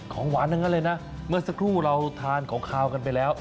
ของหวานทั้งนั้นเลยนะเมื่อสักครู่เราทานของขาวกันไปแล้ว